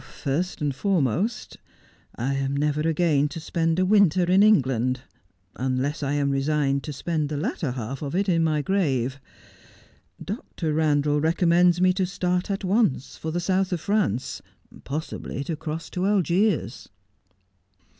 ' First and foremost, I am never again to spend a winter in England, unless I am resigned to spend the latter half of it in my grave. Dr. Eandal recommends me to start at once for the south of France, possibly to cross to Algiers.'